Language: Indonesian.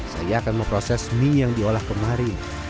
saya akan memproses mie yang diolah kemarin